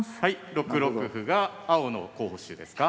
６六歩が青の候補手ですか。